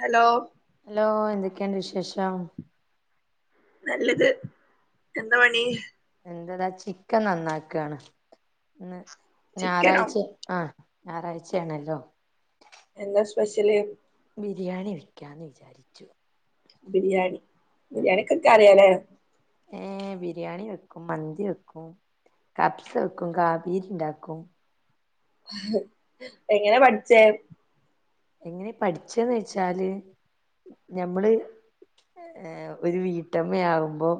Hello hello എന്തൊക്കെയുണ്ട് വിശേഷം നല്ലത് എന്താ പണി എന്തെതാ ചിക്കൻ നന്നാക്കാണ് ഇന്ന് ചിക്കനോ ഞായറാഴ്ച ആ ഞായറാഴ്ചയാണല്ലോ എന്നാ സ്പെഷ്യല് ബിരിയാണി വെക്കാന്ന് വിചാരിച്ചു ബിരിയാണി ബിരിയാണിയൊക്കെ അൻക്ക അറിയാലേ ഏ ബിരിയാണി വെക്കും, മന്തി വെക്കും, കപ്സ വെക്കും, കാബീരി ഇണ്ടാക്കും എങ്ങനെ പഠിച്ചേ എങ്ങനെ പഠിച്ചന്ന് വെച്ചാല് ഞമ്മള് ഏ ഒരു വീട്ടമ്മയാകുമ്പോം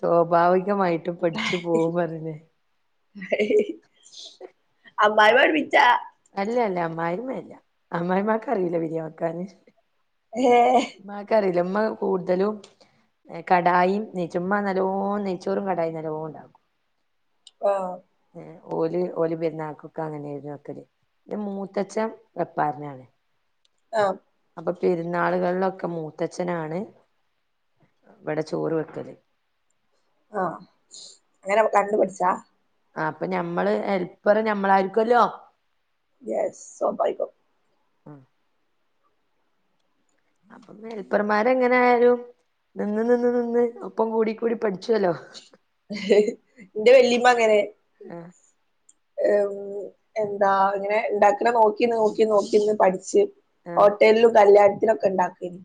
സ്വാഭാവികമായിട്ടും പഠിച്ചു പോകും അതിനേ അമ്മായിമ്മ [unintelligible] അല്ല അല്ല അമ്മാരിമ്മ അല്ല അമ്മാമാക്ക അറിയില്ല ബിരിയാൻ വെക്കാന് ഏ മ്മാക്കറിയില്ല മ്മ കൂടുതലും കടായും നെയ്ച്ചു മ്മ നല്ലോ നെയച്ചോറും കടായിം നല്ലോം ഉണ്ടാകും ആഹ് ഏ ഓല് ഓല് പെരുന്നൊക്കെ അങ്ങനെ ആയിരുന്നു ആക്കല് ന്റെ മൂത്തച്ഛൻ വെപ്പാരനാണ് [unintelligible] അപ്പൊ പെരുന്നാളുകളിലൊക്കെ മൂത്തച്ഛനാണ് ഇവിടെ ചോറ് വെക്കല് ആ അങ്ങനെ കണ്ട് പഠിച്ചാ ആ അപ്പൊ ഞമ്മള് ഹെൽപ്പറ് ഞമ്മളായിരിക്കല്ലോ യെസ് സോഭാവികം അപ്പ ഹെൽപ്പർമാരെ എങ്ങനെ ആയാലും നിന്ന് നിന്ന് നിന്ന് ഒപ്പം കൂടി കൂടി പഠിച്ചുവല്ലോ എന്റെ വല്യമ്മ അങ്ങനെ ആഹ് ഉ എന്താ അങ്ങനെ ഉണ്ടാക്കണ നോക്കിന്ന് നോക്കി നോക്കിന്ന് പഠിച്ച് ആ ഹോട്ടലും കല്യാണത്തിനൊക്കെ ഉണ്ടാക്കന്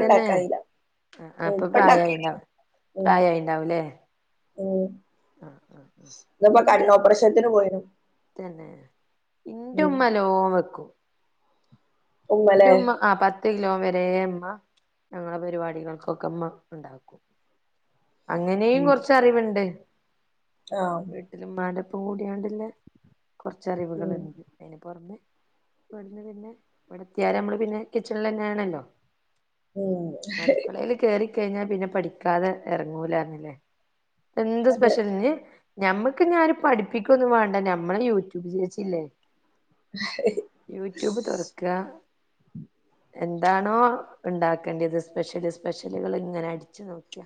തന്നെ ആ ഉ പെണ്ടാകയില്ല ഉ രാവിലെ ഉം ആ ഇന്നു ഇന്റെ കണ്ണൊപ്പറേഷൻ പോയി എന്റെ ഉമ്മ നൊ വെക്കൂ ഉമ്മലേ എന്റയുമ്മ ആ പത്ത് കിലോ വര അമ്മ ഞങ്ങളെ പരിപാടികൾക്കൊക്കെ അമ്മ ഉണ്ടാക്കും അങ്ങനെയും ഉം കുറച്ച അറിവുണ്ട് ആഹ് ഇതിന് ഉമ്മാന്റെപോലെഉണ്ടല്ലോ കുറച്ചു ഉം അറിവുകളുണ്ട് അന് പുറമ ഇവിടുന്ന് പിന്നെ ഇടുത്തിയലു നമ്മള് പിന്നെ കിച്ചണിൽ തന്നെ ആണല്ലോ ഉം അടുക്കളയിൽ കേറി കഴിഞ്ഞാ പിന്നെ പഠിക്കാതെ ഇറങ്ങൂലായിന്നില്ലേ എന്ത് അതെ സ്പെഷ്യലി ഞമ്മക്ക് ഞാൻ പഠിപ്പിക്കൊന്നും വേണ്ട ഞമ്മളെ യൂട്യൂബ് ചേച്ചില്ലേ അ [inaudible] യൂട്യൂബ് തുറക്കുക എന്താണോ ഉണ്ടാക്കേണ്ടിയത് സ്പെഷ്യല് സ്പെഷ്യലുകൾ ഇങ്ങനെ അടിച്ചു നോക്കിയ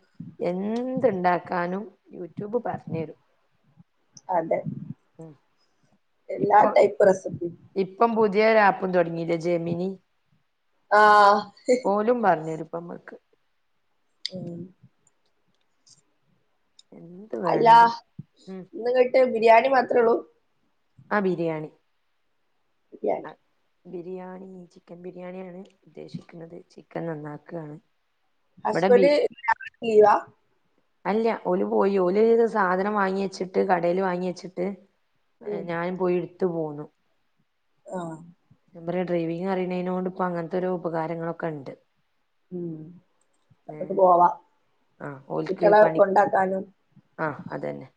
എന്തുണ്ടാക്കാനും യൂട്യൂബ് പറഞ്ഞു തരും അതെ ഉം എല്ലാ ഇപ്പൊ ടൈപ്പ് റെസിപ്പി ഇപ്പം പുതിയ ആപ്പും തുടങ്ങില്ലേ ജെമിനി ആഹ് ഓലും പറഞ്ഞരുപ്പമ്മക്ക് ഉം എന്ന് അല്ല ഒന്ന് കേട്ട് ബിരിയാണി മാത്രമേ ഉള്ളൂ ആഹ് ബിരിയാണി ബിരിയാണി ബിരിയാണി ചിക്കൻ ബിരിയാണിയാണ് ഉദ്ദേശിക്കുന്നത് ചിക്കൻ നന്നാക്കുകയാണ് ഇവിടെ ബി ഹസ്ബൻഡ് ലീ വാ അല്ല ഒളു പോയി ഒളു സാധനം വാങ്ങി വച്ചിട്ട് കടൽ വാങ്ങി വെച്ചിട്ട് ഉം ഞാൻ പോയി എടുത്തു പോന്നു ആഹ് ഞാൻപറ ഡ്രൈവിങ് അറിയുന്നതിനോണ്ട് ഇം അങ്ങനത്തെ ഒരോ ഉപകാരങ്ങളൊക്കെ ഉണ്ട് ഉം അങ്ങോട്ട്‌ ഏഹ് പ്പോവാ ആഹ് ഓൽക്ക് കുട്ടള പണി കൊണ്ടാക്കാനും ആഹ് അത തന്നെ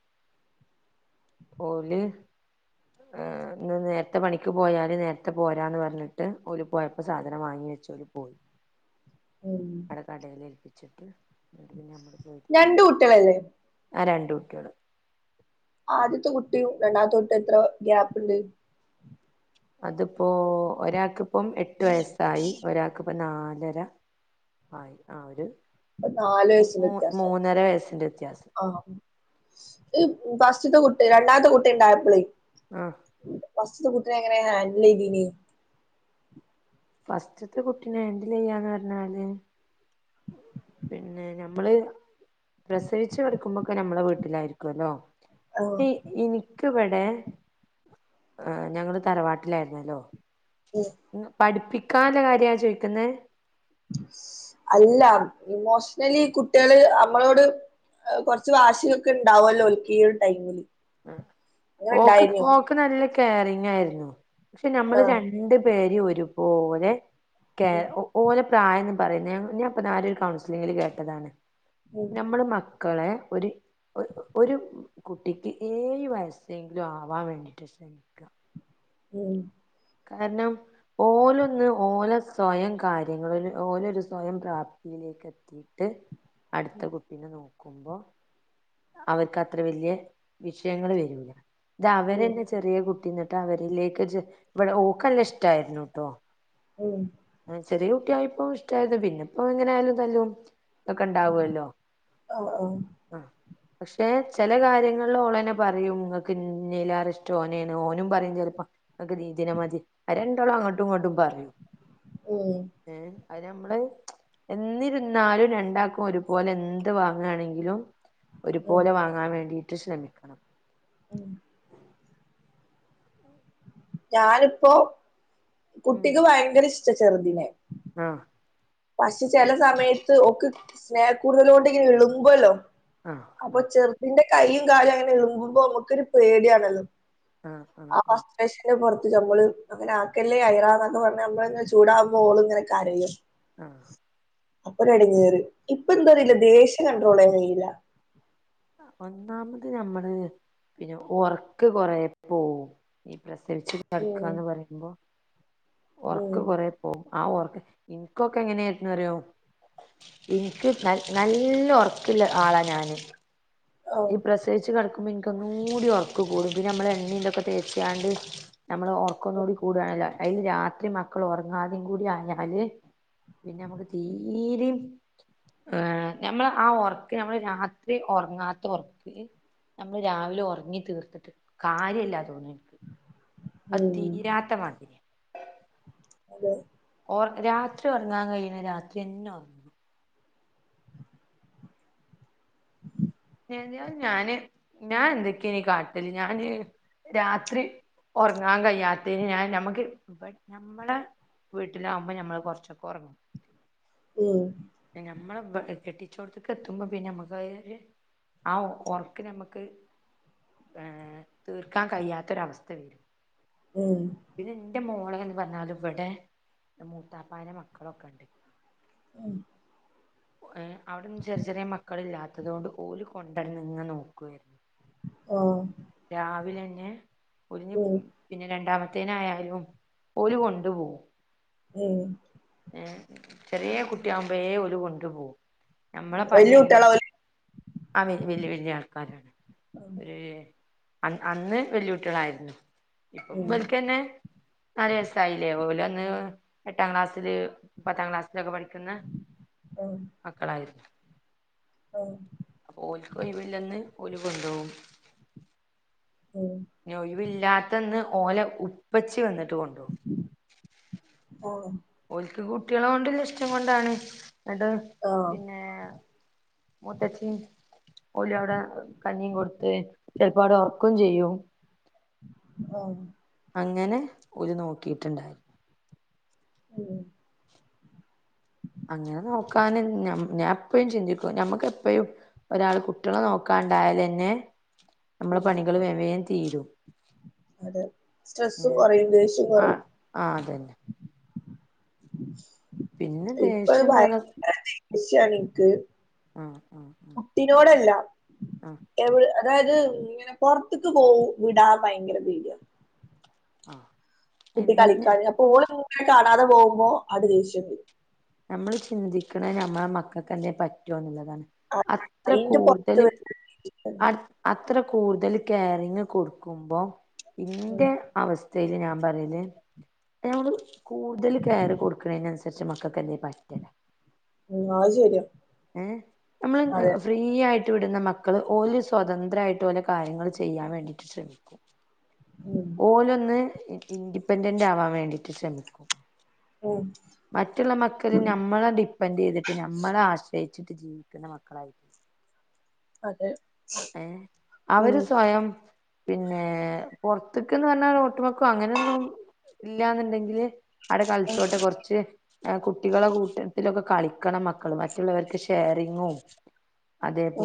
ഓള് ഉ [unintelligible] ഉം നേരത്തെ പണിക്ക് പോയാൽ നേരത്തെ പോരാന്ന് പറഞ്ഞിട്ട് ഓല പോയപ്പോൾ സാധനം വാങ്ങി വെച്ച ഓലി പോയി ഉം കടൽ ഏൽപ്പിച്ചിട്ട് എന്നിട്ട പിന്നെ നമ്മ രണ്ട് പോയിടുത്ത കുട്ടികളല്ലേ ആ രണ്ട കുട്ടികള് ആ ആദ്യത്തെ കുട്ടിയും രണ്ടാമത്തെ കുട്ടിയും എത്ര ഗ്യാപ്പ് ഉണ്ട് അതിപ്പോ ഒരാൾക്കിപ്പം എട്ട് വയസ്സായി ഒരാൾക്ക് ഇപ്പൊ നാലര ആയി ആ ഒരു നാല് വയസിന് മൂ വ്യത്യാസവും മൂന്നര വയസ്സിന്റെ വ്യത്യാസം ആഹ് ഫസ്റ്റത്തെ കുട്ടി രണ്ടാമത്തെ കുട്ടി ഉണ്ടായപ്പളി ആഹ് ഫസ്റ്റ് കുട്ടിനെ എങ്ങനെ ഹാൻഡിൽ ചെയ്തേനി ഫസ്റ്റത്തെ കുട്ടിനെ ഹാൻഡില് ചെയ്യന്നു പറഞ്ഞല് പിന്നെ ഞമ്മള് പ്രസവിച്ചു കടക്കുമ്പോക്കെ നമ്മളെ വീട്ടിലായിരികോല്ലോ ആഹ് ഇന്ക് വടെ ഏ ഞങ്ങൾ തറവാട്ടിലായിരുന്നല്ലോ ഇമ് പഠിപ്പിക്കാല്ലേ കാര്യാ ചോയ്ക്ക്ന്നെ അല്ലാ ഇമോഷ്ണലി കുട്ടിയാള് നമ്മളോട് കൊറച്ച് വാശിയൊക്കെ ഉണ്ടാവല്ലോ ഒൽക്കി ഒരു ടൈമില് അങ്ങനെ ഓക്ക് ഇണ്ടായിനോ ഓക്ക് നല്ല കെയറിഗായി ആയിരുന്നു പക്ഷെ നമ്മള് ആഹ് രണ്ട് രണ്ട് പേര് ഒരുപോലെ കേ ഉം ഓലെ പ്രായംന്ന് പറയുന്ന ഞാൻ ഇപ്പ നാര ഒരു കൗൺസിലിങ്ങില് കേട്ടതാണ് ഉം നമ്മള് മ ക്കളെ ഒരു ഒര് ഒരു കുട്ടിക്ക് ഏഴ് വയസ്സെങ്കിലും ആവാൻ വേണ്ടിയിട്ട് ശ്രമിക്ക ഉം കാരനം ഓലൊന്ന് ഓലെ സ്വയം കാര്യങ്ങളിൽ ഓലൊരു സ്വയം പ്രാപ്തിയിലേക്ക് എത്തീട്ട് അടുത്ത കുട്ട പിന്നെ നോക്കുമ്പോ അവർക്ക് അത്ര വെല്ലിയെ വിഷയങ്ങൾ വരൂല്ല ഉം ഇതവരല്ലേ ചെറിയ കുട്ടിന്നിട്ട് അവരിലേക്ക് വടെ ഓക്കല്ലാം ഇഷ്ടമായിരുന്നു ട്ടോ ഉ ചെറിയ കുട്ടിയായിപ്പം ഇഷ്ടായിരുന്നു പിന്നെ ഇപ്പ എങ്ങനെ ആായാലും തല്ലും തൊക്കെ ഉണ്ടാവുല്ലോ ആ ആ ആ പക്ഷെ ചില കാര്യങ്ങളില് ഓളന്നെ പറയും നിങ്ങക്ക് ഇഞ്ഞീലേറെ ഇഷ്ടം ഓനേണ് ഓനും പറയും ചിലപ്പോ ഇങ്ങക് നീതിനെ മതി രണ്ടോളം അങ്ങട്ടും ഇങ്ങട്ടും പറയും ഉം ഏ അത് നമ്മള് എന്നിരുന്നാലും രണ്ടാക്കും ഒരുപോലെ എന്ത് വാങ്ങാണെങ്കിലും ഉം ഒരുപോലെ വാങ്ങാൻ വേണ്ടിയിട്ട് ശ്രമിക്ക ഉം ഞാനിപ്പോൊ കുട്ടിക്ക് ഭയങ്കര ഇഷ്ട ചെറ്തിനെ ആഹ പക്ഷെ ചെലല സമയത്ത് ഓക്ക് സ്നേഹക്കൂടുതൽ കൊണ്ട് ഇങ്ങനെ ഇളുമ്പോല്ലോ ആ അപ്പൊ ചെറുതിന്റെ കൈയും കാലും അങ്ങനെ ഇളുമ്പുമ്പോ നമ്മക്കൊരു പേടിയാണല്ലോ ആഹ് ആഹ് ആഹ ആഹ് പുറത്ത് നമ്മള് അങ്ങനെ ആക്കല്ലേ അയറാന്നൊക്ക പറഞ്ഞ നമ്മളിങ്ങനെ ചൂടാക്ബോ ഓളും ഇങ്ങനെ കരയും ആ അപ്പോരെടങ്ങേര് ഇപ്പൊ എന്താറീലാ ദേഷ്യം കണ്ട്രോൾ ചെയ്യാൻ കഴയില്ല ഒന്നാമത് നഞമ്മള് പിന്നെ ഓർക് കൊറേ പോവും ഈ പ്രസവിച്ച് ഉം കടക്കാന്ന് പറയുമ്പോ ഉം ഉർക്ക് കൊറെ ഓ ആ ഓർക്ക് ഇനിക്ക്കൊക്കെ എങ്ങനെന്നറിയോ ഇനിക്ക് ന നല്ല ഉറക്കില്ല ആളാ ഞാന് ആഹ് ഈ പ്രസവിച്ച് കിടക്കുമ്പോ എനിക്കന്നൂടി ഉറക്ക കൂടും പിന്നെ നമ്മൾ എണ്ണീതൊക്കെ തേച്ചാണ്ട് നമ്മള് ഓർക്കംന്നുകൂടി കൂടയണല്ലോ അതില് രാത്രി മക്കൾ ഉറങ്ങാതെയും കൂടി ആയാല് പിന്നെ ഞമ്മക്ക് തീരിം ഏഹ നമ്മൾ ആ ഒർക് നമ്മള് രാത്രി ഉറങ്ങാ റക്ക് നമ്മള് രാവിലെ ഉറങ്ങി തീർത്തിട്ട് കാര്യല്ലാതോന്നി അത് ഉം തീരാത്ത മാതിരിയാ അതെ ഓർ രാത്രി ഉറങ്ങാൻ കഴിഞ്ഞ രാത്രി എന്നെഓറങ്ങ [unintelligible] ഞാന് ഞാൻ എന്തൊക്കെയ ഇനി കാട്ടല് ഞാന് രാത്രി ഉറങ്ങാൻ കഴിയാത്തന് ഞാൻ നമുക്ക് [unintelligible] ഞമ്മളെ വീട്ടിലാകുമ്പോ നമ്മള് കൊറച്ചൊക്കെ ഒറങ്ങും ഉം ഞമ്മെളെ ഇവകെട്ടിച്ചോടത്തക്ക് എത്തുമ്പോ പിന്നെ നമ്മുക്ക് ഒരു ആ ഒറക്ക് നമുക്ക് ഏഹ് തീർക്കാൻ കഴിയാത്തൊരവസ്ഥ വരും ഉം പിന്നെ എന്റെ മോളെ എന്ന് പറഞ്ഞാൽ ഇവിടെ മൂത്താപ്പാന്റെ മക്കളൊക്കെ ഉണ്ട് ഉം ഏഹ് അവിങ്ങും ചെറിയ ചെറിയ മക്കള് ഇില്ലാത്തതൊണ്ട് ഓര്കൊണ്ടുവരന്ന് ഇങ് നോക്കുയിരുന്നു ആഹ് രാവിലെന്നെ ഉം [unintelligible] പിന്നെ രണ്ടാമത്തേനായാലും ഒരു കൊണ്ട് പോകും ഉം ഏഹ് ചെറിയ കുട്ടിയാകുമ്പേഴെ ഓര് കൊണ്ടു പോകും ഞമ്മളെ പണി വല്യ ഏകദേശം കുട്ടികളാവൂലേ ആഹ് വലിയ വലിയ ആൾക്കാരാണ് ഉം ഒരു അ അന്ന് വെല്ലുകുട്ടികളായിരുന്നു ഇപ്പം ഉം വലിക്കന്നെ അറയസായിലേ പോല അന്ന് എട്ടാം ക്ലാസ്സില് പത്താം ക്ലാസ്സിലൊക്കെ പഠിക്കുന്ന ആഹ് മക്കളായി ആഹ് അപ്പോൾ ഓല്ക്ക് കഴിവില്ലെന്ന് ഓല് കൊണ്ടുപോകും ഉം പിന്നെഒഴിവില്ലാത്തന്ന് ഓല ഉപ്പച്ചി വന്നിട്ട് കൊണ്ട് പോകും [inaudible] ഓ ഒല്ക്ക് കുട്ടികള കൊണ്ടില്ല ഇഷ്ടം കൊണ്ടാണ് എന്നട്ട് ആഹ് പിന്നെ മുത്തച്ചി ഓല് അവിടെ കഞ്ഞിയും കൊടുത്ത് ചിലപ്പവടെ ഒർക്കും ചെയ്യും ആഹ് അങ്ങനെ ഓര് നോക്കിയിട്ടുണ്ടായിരുന്നു ഉം അങ്ങനെ നോക്കാന് ന ഞാ എപ്പഴും ചിന്തിക്കും നഞമ്മക്ക് എപ്പൊഴും ഒരാൾ കുട്ടികളെ നോക്കാണ്ടായലന്നെ നമ്മളെ ഉം പണികൾ വേഗം വേഗം തീരും അതെ സ്ട്രെസ്സും ഏഹ് കുറയും ദേഷ്യം ആഹ് കുറയും ആഹ് അതന്നെ പിന്നെ ഇപ്പൊ ദേഷ്യംന്ന് പറഞ്ഞ ഭയങ്കര [inaudible] എനിക്ക് അഹ് അഹ് അഹ് കുട്ടിനോടല്ല ആഹ് [unintelligible] അതായത് ഇങ്ങനെ പുറത്ത്ക് പോവിടാ ഭയങ്കര പേടിയ [inaudible] കുട്ടി ഇന്ന കളിക്കാണ് അപ്പൊ ഓള് കാണാതെ പോകുമ്പോ ആ ദേഷ്യം വരും നമ്മള് ചിന്തിക്കണ നമ്മളെ മക്കക്ക് ന്തേലും പറ്റോ എന്ന്ള്ളതാണ് അ- അത്ര അയിന്റെ കൂടുതൽ പുറത്ത് വരും അ അത്ര കൂടുതൽ കയറിങ്ങ് കൊടുക്കുമ്പോ ഉം ഇന്റെ അവസ്ഥയിൽ ഞാൻ പറയ ന്നെ ഞമ്മള് കൂടുതൽ കെയർ കൊടുക്കണതിനനുസരിച്ച് മക്ക [unintelligible] ഉം അത് ശരിയ ഏഹ് നമ്മള് ഫ്രീ ഫ്രീയായിട്ട് വിടുന്ന മക്കൾ ഒരു സ്വതന്ത്രയിട്ട് ഓലെ കാര്യങ്ങൾ ചെയ്യാൻ വേണ്ടി ശ്രമിക്കും [inaudible] ഉം ഓലൊന്ന് ഇൻഡിപെൻഡന്റ് ആവാൻ വേണ്ടിട്ട് ശ്രമിക്കും ഉം മറ്റുള്ള മക്കല് നമ്മളെ ഡിപ്പെൻഡ് ചെയ്തിട്ട് നമ്മളെ ആശ് ശ്രെയിച്ചിട്ട് ജീവിക്കുന്ന മക്കളായിരിക്കും അതെ ഏ അവര് ഉം സ്വയം പിന്നെ പുൊറത്ത്ക്ക്ന്ന് പറഞ്ഞാ ഓട്ടുമക്കും അങ്ങനൊന്നും ഇല്ലാന്നുണ്ടെങ്കില് അവിടെ കളിച്ചോട്ടെ കുറച്ച് കുട്ടികളെ കൂട്ടത്തിലൊക്കെ കളിക്കണം മക്കള് മ മറ്റുള്ളവർക്ക് ഷെയറിങ്ങും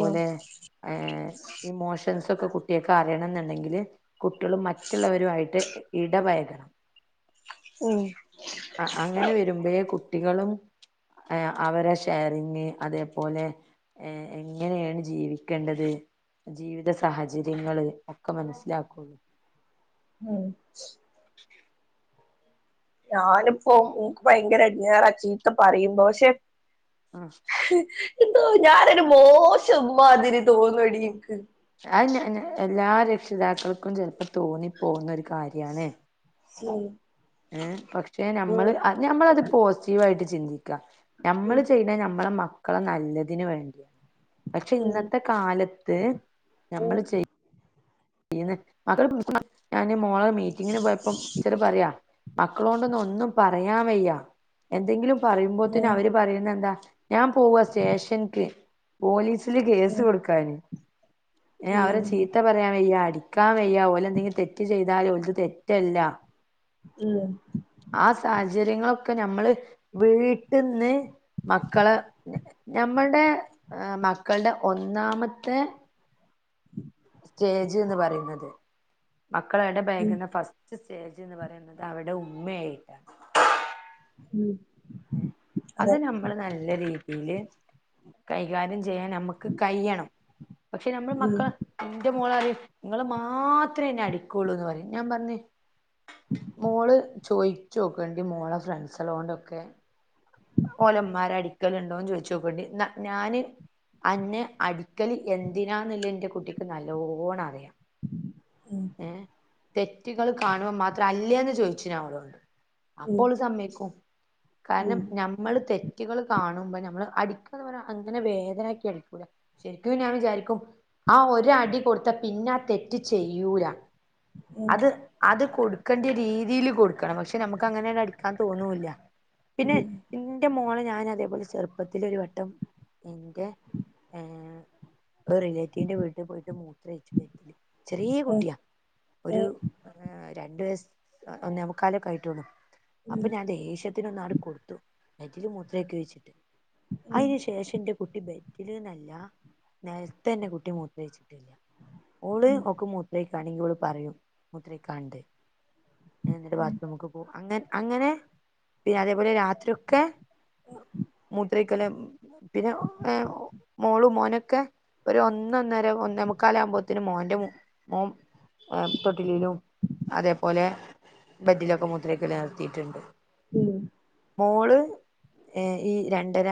ഉം ഏ ഇമോഷൻസ് ഒക്കെ കുട്ടിയേക്കറിയണംന്നിണ്ടെങ്കില് കുട്ടികള് മറ്റുള്ളവരുമായിട്ട് ഇടപയകണം. ഉം. ആ അങ്ങനെ വരുമ്പഴേ കുട്ടികളും അവരെ ഷയറി ങ്ങ് അതേപോലെ ഏ എങ്ങനെയാണ് ജീവിക്കേണ്ടത് ജീവിത സഹചര്യങ്ങള് ഒക്കെ മനസ്സിലാക്കൊള്ളൂ. ഉം ഞാനിപ്പോ ഇൻക് ഭയങ്കര എടഞ്ഞേറ ചീത്ത പറയുമ്പോ പക്ഷെ ആ എന്തോ ഞാനൊരു മോശമ്മാതിരി തോന്നൊടീൻക് അയ് ഞ ഞ എല്ലാ രക്ഷിതാക്കൾക്കും ചെൽപ്പോ തോന്നിപ്പോവുന്നൊരു കാര്യാണ് ശരി. ഏ പക്ഷെ നമ്മള് നഞമ്മളത് പോസിറ്റീവായിട് ചിന്തി ക്കാ ഉം നമ്മള് ചെയ്യ്നത് നമ്മളെ മക്കളെ നല്ലതിന് വേണ്ടിയാ പക്ഷെ ഉം ഇന്നത്തെ കാലത്ത് നമ്മള് ചെയ് ന്ന് [unintelligible] ഞാന് മോളെ മീറ്റിങ്ങിന് പോയപ്പം ടീച്ചറ് പറയ മക്കളോടൊന്ന് ഒന്നും പറയാൻ വയ്യ എന്തെങ്കിലും ഉം പറയുമ്പോത്തിന് ഉം അവര് പറയുന്ന എന്താ ഞാൻ പോവാ സ്റ്റേഷൻക് പോലീസില് കേസ് ഉം കൊടുക്കാന്. ഏ അവരെ ഉം ചീത്ത പറയാൻ വയ്യ അ ടിക്കാൻ വയ്യാ ഓല് എന്തെങ്കിലും തെറ്റ് ചെയ്താല് ഓൽക് തെറ്റല്ല ഉം ആ സാഹചര്യങ്ങളൊക്കെ ഞമ്മള് വീട്ടിന്ന് മക്കളെ ഞമ്മൾടെ മക്കൾടെ ഒന്നാമത്തെ സ്റ്റേജ്ന്ന് പറയ്ന്നത് മക്കള് ഏടെ ഉം [unintelligible] ഫസ് ഫസ്റ്റ് സ്റ്റേജ്ന്ന് പറയുന്നത് അവിടെ ഉമ്മയായിട്ട ഉം അതെ അത് നം നമ്മള് നല്ല രീതിയില് കൈകാര്യം ചെയ്യാൻ നമ്മക്ക് കയ്യണം. പക്ഷെ നമ്മൾ മക്ക ന്റെ മോളറിം ങ്ങള് മാത്രേ ന്നെ അടിക്കുള്ളൂന്ന് പറിം ഞാൻ പറഞ് മോള് ചോയിച്ചോക്കണ്ടി മോളെ ഫ്രണ്ട്സളോണ്ടൊക്കെ ഓലുമ്മാരെ അടിക്കല്ണ്ടോന്ന് ചോയ്ച്ചോക്കണ്ടി ഞാന് അന്നെ അടിക്കല് എന്തിനാന്ന്ല്ലെ ൻ്റെ കുട്ടിക്ക് നല്ലോണറിയാം ഉം ഏ തെറ്റുകൾ കാണുമ്പം മാത്രം അല്ലേന്ന് ചോയ്ച് ഞാൻ ഓളോട് അപ്പോള് സമ്മയ്ക്കും കാരണം ഞമ് നമ്മള് തെറ്റുകൾ കാണുമ്പം നമ്മള് അടിക്കാന്ന് പറിം അങ്ങനെ വേദനാക്കി അടിക്കൂല ശരിക്കും ഞാൻ വിചാരിക്കും ആ ഒര് അടി കൊടുത്ത പിന്നെ ആ തെറ്റ് ചെയ് യ്യൂല അത് അത് കൊടുക്കണ്ട്യ രീതിയില് കൊടുക്കണം പക്ഷെ നമുക്ക് അങ്ങനട് അടിക്കാൻ തോന്നൂല്ല പിന്നെ ന്റെ മോളെ ഞാൻ അതേപോലെ ചെർ പ്പത്തിലൊരുവട്ടം ന്റെ ഏ ഒരു റിലേറ്റീവിന്റെ വീട്ടിൽ പോയിട്ട് മൂത്രോയിച്ചു ബെഡില് [unintelligible] കുട്ടിയാ ഉം ഒരു രണ്ട് വയസ് ഒന്നേമുക്കാലൊക്കെ ആയിട്ടൊള്ളൂ അപ്പൊ ഞാൻ ദേഷ്യത്തിനൊന്നാണ്ട് കൊടുത്തു ബെഡില് മൂത്രൊയ്‌ക്കെയ്ച്ചിട്ട് അയിന് ശേഷം ന്റെ കുട്ടി ബെ ഡില്ന്നല്ല നെൽതെന്നെ കുട്ടി മൂത്രൊ യ്ച്ചിട്ടില്ല ഓള് ഒ ക്ക് മൂത്രയ്ക്കാ ണ്ടെങ്കി ഓള് പറയും മൂത്രയ്ക്കാണ്ട് ഏ ന്നട്ട് ബാത്രൂംമ്ക്ക്‌ പോവും. അങ് അങ്ങനെ പിന്നെ അതേപോലെ രാത്രിയൊക്കെ മൂത്രയ്ക്കല് പിന്നെ ഏ മോളും മോനൊക്കെ ഒരു ഒന്നൊന്നര ഒന്നെമുക്കാലാ മ്പോത്തിന് മോൻന്റെ മൂ വേ തൊട്ടിലിലും അതേപോലെ ബഡിലൊക്കെ മൂത്രോയ്ക്കല് നിർത്തീട്ട്ണ്ട് ഉം മോള് ഏ ഈ രണ്ടര